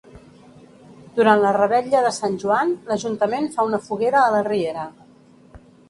Durant la revetlla de Sant Joan l'Ajuntament fa una foguera a la riera.